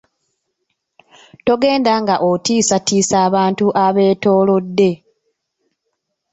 Togenda nga otiisatiisa abantu abetolodde .